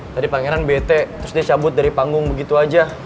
tadi pangeran bete terus dia cabut dari panggung begitu aja